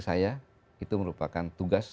saya itu merupakan tugas